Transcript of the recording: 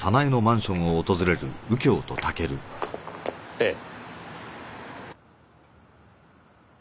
ええ。